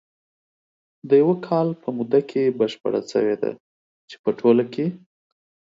د یوه کال په موده کې بشپره شوې ده، چې په ټوله کې